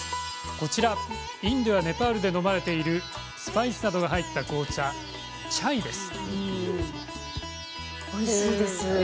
こちら、インドやネパールで飲まれているスパイスなどが入った紅茶、チャイです。